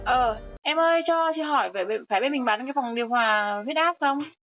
ờ em ơi cho chị hỏi phải bên mình bán cái phòng điều hòa huyết áp không